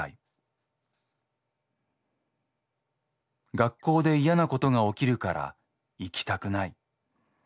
「学校で嫌なことが起きるから行きたくない。